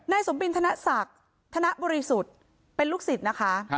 สมบินธนศักดิ์ธนบริสุทธิ์เป็นลูกศิษย์นะคะ